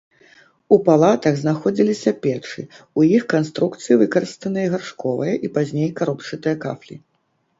У палатах знаходзіліся печы, у іх канструкцыі выкарыстаныя гаршковыя і пазней каробчатыя кафлі.